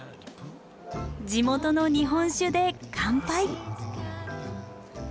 地元の日本酒で乾杯！